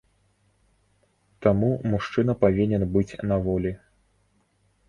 Таму мужчына павінен быць на волі.